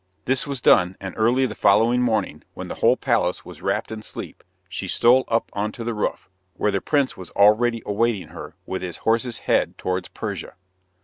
This was done, and early the following morning, when the whole palace was wrapped in sleep, she stole up on to the roof, where the prince was already awaiting her, with his horse's head towards Persia.